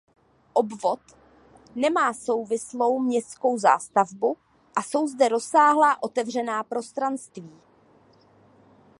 Obvod nemá souvislou městskou zástavbu a jsou zde rozsáhlá otevřená prostranství.